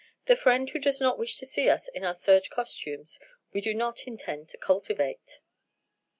The friend who does not wish to see us in our serge costumes we do not intend to cultivate."